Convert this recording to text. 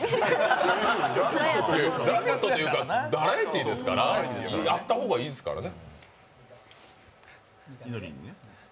「ラヴィット！」というか、バラエティーですからやった方がいいですからね。